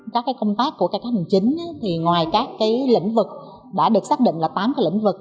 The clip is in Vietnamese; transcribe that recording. các công tác của cải cách hành chính thì ngoài các lĩnh vực đã được xác định là tám lĩnh vực